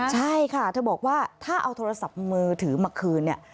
ใช่ค่ะเธอบอกว่าถ้าเอาโทรศัพท์มือถือมาคืนเนี่ย